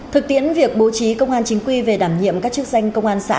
thực tiễn việc bố trí công an chính quy về đảm nhiệm các chức danh công an xã